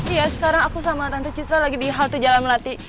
iya sekarang aku sama tante citra lagi di halte jalan melati